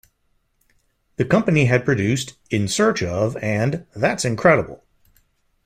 The company had produced "In Search of..." and "That's Incredible!